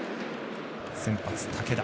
先発、武田。